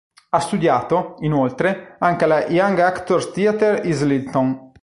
Ha studiato, inoltre, anche alla Young Actors' Theatre Islington.